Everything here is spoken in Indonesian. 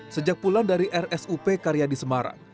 sejak pulang dari rsup karyadi semarang